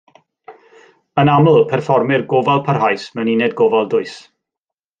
Yn aml, perfformir gofal parhaus mewn uned gofal dwys.